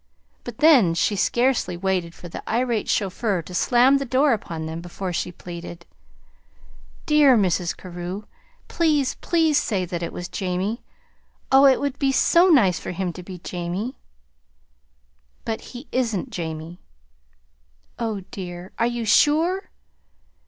But then she scarcely waited for the irate chauffeur to slam the door upon them before she pleaded: "Dear Mrs. Carew, please, please say that it was Jamie! Oh, it would be so nice for him to be Jamie." "But he isn't Jamie!" "O dear! Are you sure?"